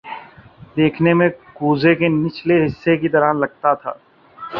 دیکھنے میں کوزے کے نچلے حصے کی طرح لگتا تھا